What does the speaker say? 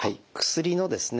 薬のですね